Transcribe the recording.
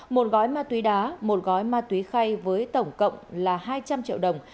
một gói ma túy đá một gói ma túy khay với tổng cộng là hai trăm linh triệu đồng